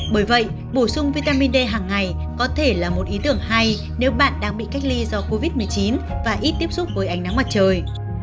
bởi vậy bổ sung vitamin d hàng ngày có thể là một ý tưởng hay nếu bạn đang bị cách ly do covid một mươi chín và ít tiếp xúc với ánh nắng mặt trời